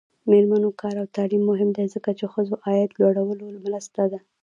د میرمنو کار او تعلیم مهم دی ځکه چې ښځو عاید لوړولو مرسته ده.